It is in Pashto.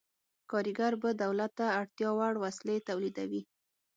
کارګر به دولت ته اړتیا وړ وسلې تولیدوي.